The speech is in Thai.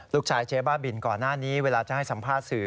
เจ๊บ้าบินก่อนหน้านี้เวลาจะให้สัมภาษณ์สื่อ